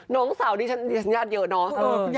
น้องสาวนี้ฉันยาดเยอะเนอะ